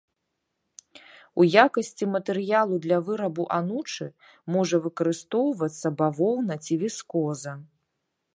У якасці матэрыялу для вырабу анучы можа выкарыстоўвацца бавоўна ці віскоза.